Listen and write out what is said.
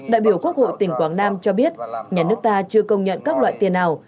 đại biểu quốc hội tỉnh quảng nam cho biết nhà nước ta chưa công nhận các loại tiền nào